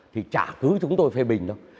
thì chả cứ chúng tôi phê bình đâu